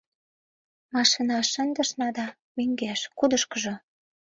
— Машинаш шындышна да мӧҥгеш — кудышкыжо!